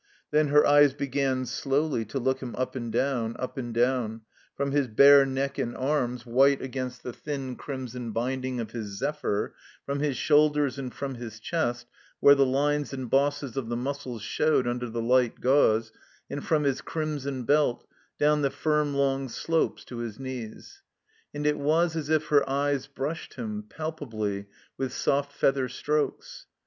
Then her eyes began slowly to look him up and down, up and down, from his bare neck and arms, white against the 8z THE COMBINED MAZE thin crimson binding of his "zephyr," from his shoulders and from his chest where the lines and bosses of the muscles showed under the light gauze, and from his crimson belt, down the firm long slopes to his knees; and it was as if her eyes brushed him, palpably, with soft feather strokes.